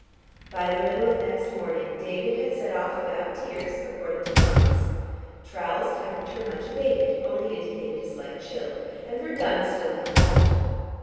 By the middle of next morning, David had set off without tears according to promise. Trowle's temperature much abated, only indicated a slight chill, and Verdun still held out.